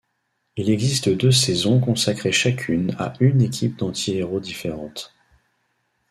Il existe deux saisons consacrées chacune à une équipe d'antihéros différente.